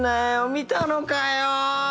見たのかよぉ。